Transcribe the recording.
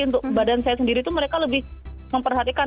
untuk badan saya sendiri itu mereka lebih memperhatikan